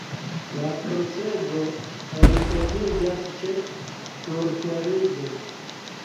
La procezo ripetiĝas ĉe surteriĝo.